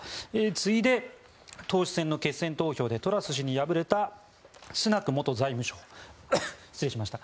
次いで党首選の決選投票でトラス氏に敗れたスナク元財務相が２３％と。